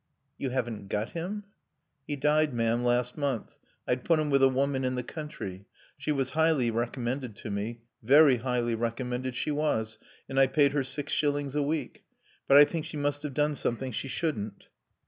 "You haven't got him?" "'E died, ma'am, last month. I'd put him with a woman in the country. She was highly recommended to me. Very highly recommended she was, and I paid her six shillings a week. But I think she must 'ave done something she shouldn't."